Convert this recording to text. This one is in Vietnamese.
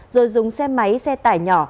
rồi dùng xe máy xe tải nhỏ